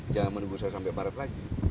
jangan menunggu saya sampai barat lagi